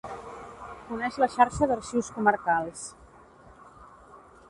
Coneix la Xarxa d'Arxius Comarcals.